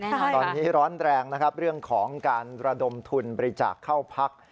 ตอนนี้ร้อนแรงนะครับเรื่องของการระดมทุนบริจาคเข้าพัก